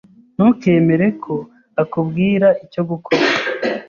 Ntukemere ko akubwira icyo gukora.